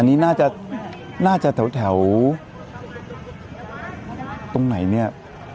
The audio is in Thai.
อันนี้น่าจะน่าจะแถวตรงไหนเนี่ย